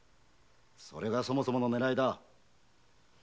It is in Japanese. それがそもそもの狙いだ！